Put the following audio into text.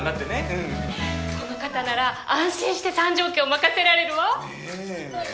うんこの方なら安心して三条家を任せられるわねぇはぁ？